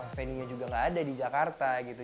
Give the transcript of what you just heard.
venue nya juga nggak ada di jakarta gitu